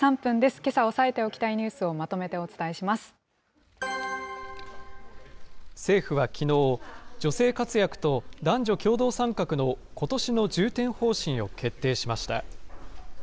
けさ押さえておきたいニュースを政府はきのう、女性活躍と男女共同参画のことしの重点方針を決定しました。